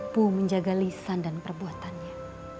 dan menjaga lisan dan perbuatannya